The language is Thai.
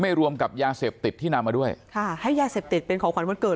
รวมกับยาเสพติดที่นำมาด้วยค่ะให้ยาเสพติดเป็นของขวัญวันเกิด